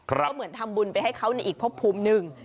ก็เหมือนทำบุญไปให้เขาในอีกพบภูมิหนึ่ง